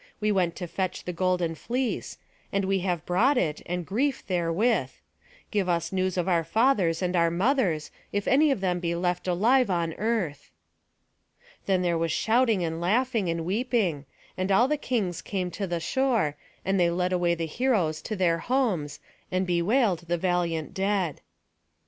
We went to fetch the golden fleece; and we have brought it, and grief therewith. Give us news of our fathers and our mothers, if any of them be left alive on earth." Then there was shouting and laughing, and weeping; and all the kings came to the shore, and they led away the heroes to their homes, and bewailed the valiant dead.